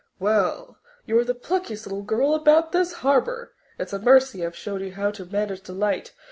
Well, you are the pluckiest little girl about this harbour! It's a mercy I've showed you how to manage the light.